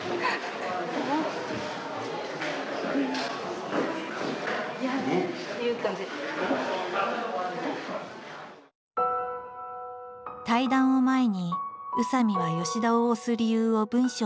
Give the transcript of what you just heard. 対談を前に宇佐見は吉田を推す理由を文章につづった。